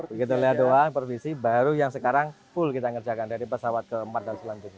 begitu lihat doang provinsi baru yang sekarang full kita ngerjakan dari pesawat keempat dan selanjutnya